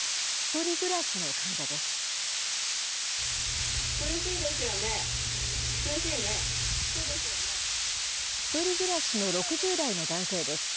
１人暮らしの６０代の男性です。